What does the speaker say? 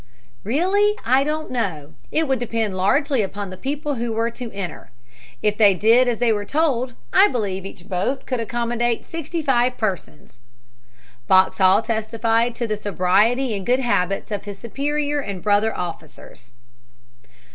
"Really, I don't know. It would depend largely upon the people who were to enter. If they did as they were told I believe each boat could accommodate sixty five persons." Boxhall testified to the sobriety and good habits of his superior and brother officers.